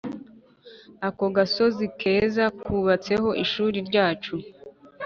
ako gasozi keza kubatseho ishuri ryacu